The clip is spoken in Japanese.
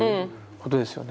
ことですよね。